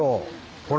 ほら。